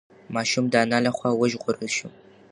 ماشوم د انا له خوا وژغورل شو.